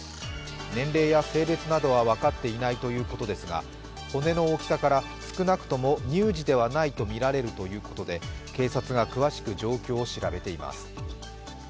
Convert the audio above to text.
年齢や性別などは分かっていないということですが骨の大きさから少なくとも乳児ではないとみられるということで、警察が詳しく状況を調べています。